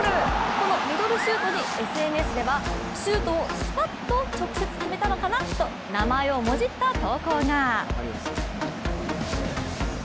このミドルシュートにＳＮＳではシュートをスパっと直接決めたのかなと名前をもじった投稿が。